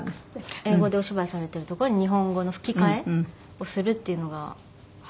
英語でお芝居されてるところに日本語の吹き替えをするっていうのが初めてで。